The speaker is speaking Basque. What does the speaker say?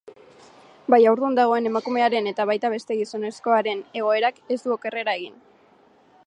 Bai haurdun dagoen emakumearen eta baita beste gizonezkoaren egoerak ez du okerrera egin.